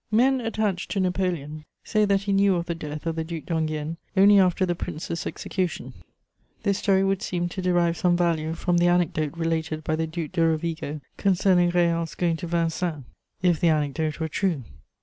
Men attached to Napoleon say that he knew of the death of the Duc d'Enghien only after the Prince's execution: this story would seem to derive some value from the anecdote related by the Duc de Rovigo concerning Réal's going to Vincennes, if the anecdote were true.